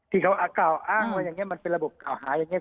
ที่เขากล่าวอ้างว่าอย่างนี้มันเป็นระบบกล่าวหาอย่างนี้